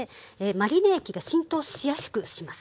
マリネ液が浸透しやすくします。